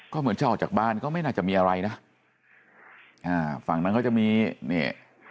ก็เหมือนจะออกจากบ้านก็ไม่น่าจะมีอะไรนะอ่าฝั่งนั้นก็จะมีนี่